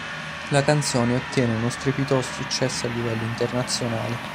La canzone ottiene uno strepitoso successo a livello internazionale.